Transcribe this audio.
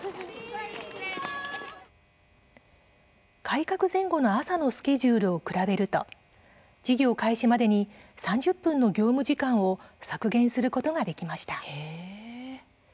改革前後の朝のスケジュールを比べると授業開始までに３０分の業務時間を削減することができました。